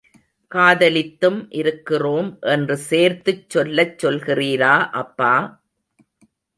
காதலித்தும் இருக்கிறோம் என்று சேர்த்துச் சொல்லச் சொல்கிறீரா அப்பா.